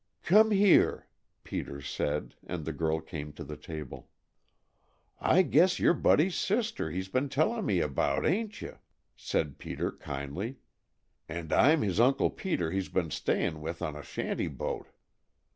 "Come here," Peter said, and the girl came to the table. "I guess you 're Buddy's sister he's been tellin' me about, ain't you?" said Peter kindly, "and I'm his Uncle Peter He's been staying with on a shanty boat.